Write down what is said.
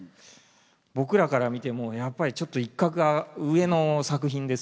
僕らから見てもやっぱりちょっと一格上の作品です。